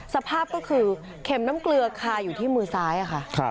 สภาพก็คือเข็มน้ำเกลือคาอยู่ที่มือซ้ายค่ะ